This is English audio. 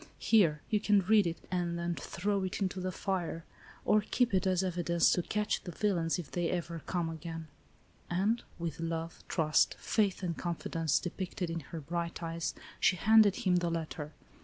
Here ; you can read it, and then throw it into the fire, or keep it as 102 ALICE ; OR, THE WAGES OF SIN. evidence to catch the villains, if they ever come again." And, with love, trust, faith and confi dence depicted in her bright eyes, she handed him the letter.